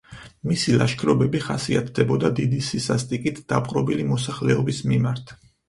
მისი ლაშქრობები ხასიათდებოდა დიდი სისასტიკით დაპყრობილი მოსახლეობის მიმართ.